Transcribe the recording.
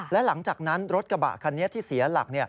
และหลังจากนั้นรถกระบะคันนี้ที่เสียหลัก